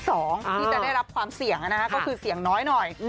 ที่จะได้รับความเสียงนะคะก็คือเสียงน้อย